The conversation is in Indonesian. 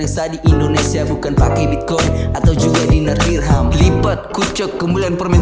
yang sedih indonesia bukan pakai bitcoin atau juga dinerir ham lipat kucuk kemuliaan permen